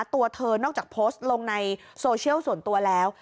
ตัวเธอนอกจากโพสต์ลงในโซเชียลส่วนตัวแล้ว